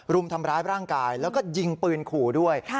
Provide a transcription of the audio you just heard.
รุมทำร้ายร่างกายแล้วก็ยิงปืนขู่ด้วย